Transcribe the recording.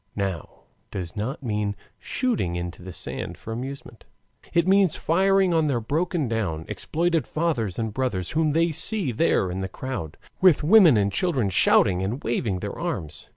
now does not mean shooting into the sand for amusement, it means firing on their broken down, exploited fathers and brothers whom they see there in the crowd, with women and children shouting and waving their arms.